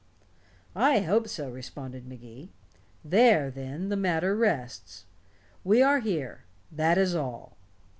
"I hope so," responded Magee. "There, then, the matter rests. We are here that is all."